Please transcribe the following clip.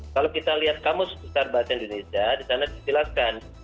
kalau kita lihat kamus besar bahasa indonesia disana disitulahkan